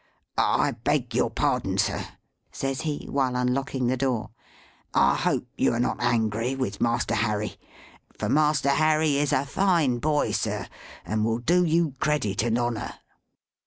"I beg your pardon, sir," says he, while unlocking the door; "I hope you are not angry with Master Harry. For Master Harry is a fine boy, sir, and will do you credit and honour."